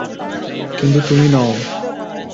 কিন্তু তুমি নও।